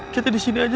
kita disini aja